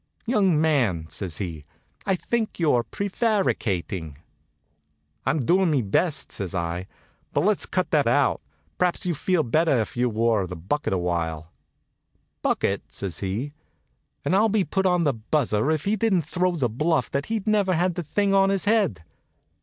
"Young man," says he, "I think you're prevaricating." "I'm doin' me best," says I; "but let's cut that out. P'raps you'd feel better if you wore the bucket awhile." "Bucket?" says he. And I'll be put on the buzzer if he didn't throw the bluff that he'd never had the thing on his head.